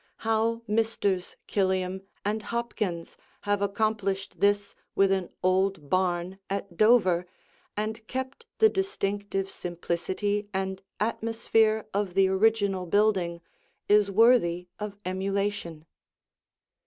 How Messrs. Killam and Hopkins have accomplished this with an old barn at Dover and kept the distinctive simplicity and atmosphere of the original building is worthy of emulation.